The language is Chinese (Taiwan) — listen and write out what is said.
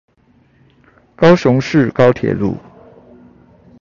高雄市高鐵路